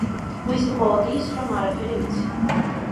ვიცი მხოლოდ ის, რომ არაფერი ვიცი